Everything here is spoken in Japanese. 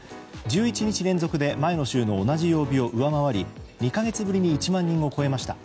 １１日連続で前の週の同じ曜日を上回り２か月ぶりに１万人を超えました。